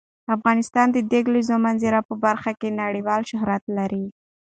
افغانستان د د کلیزو منظره په برخه کې نړیوال شهرت لري.